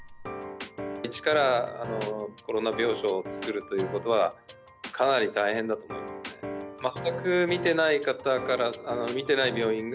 一からコロナ病床を作るということは、かなり大変だと思いますね。ます。